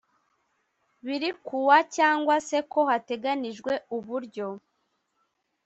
biri kuba cyangwa se ko hateganijwe uburyo